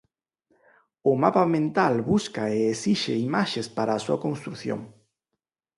O mapa mental busca e esixe imaxes para a súa construción.